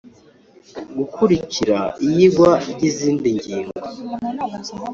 Gukurikira iyigwa ry izindi ngingo